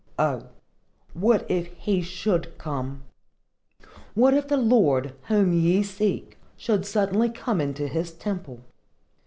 O, what if He should come? What if the Lord, whom ye seek, should suddenly come into his temple?